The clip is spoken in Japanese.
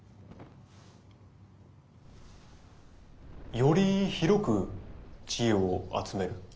より広く知恵を集める。